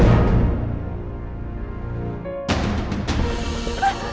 serahin dia dulu